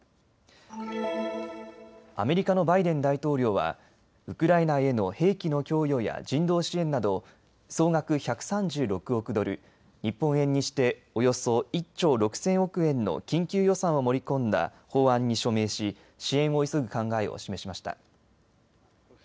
アメリカのバイデン大統領はウクライナへの兵器の供与や人道支援など総額１３６億ドル、日本円にしておよそ１兆６０００億円の緊急予算を盛り込んだ法案に署名し支援を急ぐ考えを示しました。